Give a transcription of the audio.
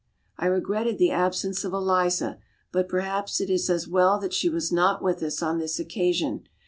I regretted the absence of Eliza, but perhaps it is as well that she was not with us on this occasion.